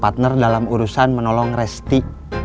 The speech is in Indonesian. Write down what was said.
partner dalam urusan menolong resti